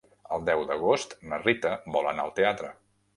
El deu d'agost na Rita vol anar al teatre.